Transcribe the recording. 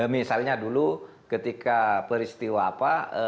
misalnya dulu ketika peristiwa apa